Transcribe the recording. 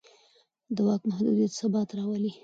د واک محدودیت ثبات راولي